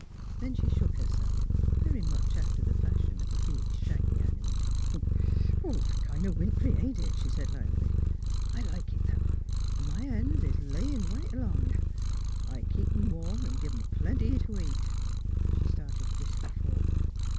Then she shook herself, very much after the fashion of a big shaggy animal. "It's kind o' wintry; ain't it? " she said loudly ;" I like it though. An' my hens is layin' right along. I keep 'em warm an' give 'em plenty t' eat." She started briskly forward.